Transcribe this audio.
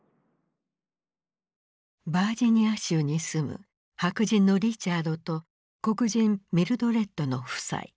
バージニア州に住む白人のリチャードと黒人ミルドレッドの夫妻。